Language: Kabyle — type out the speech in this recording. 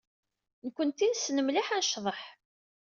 Nekkenti nessen mliḥ ad necḍeḥ.